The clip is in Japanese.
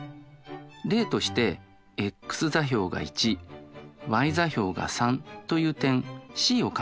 例としてｘ座標が１ｙ座標が３という点Ｃを考えます。